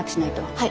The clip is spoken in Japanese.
はい。